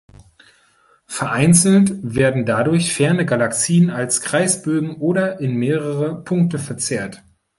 Vereinzelt werden dadurch ferne Galaxien als Kreisbögen oder in mehrere Punkte verzerrt.